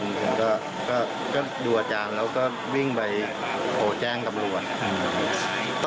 เราก็ดูอาจารย์แล้วก็วิ่งไปโโหแจ้งกำรัว